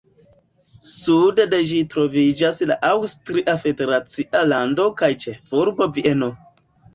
Sude de ĝi troviĝas la Aŭstria federacia lando kaj ĉefurbo Vieno.